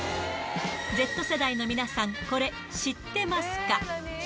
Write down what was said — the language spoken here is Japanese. Ｚ世代の皆さん、これ、知ってますか？